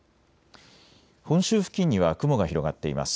本州付近には雲が広がっています。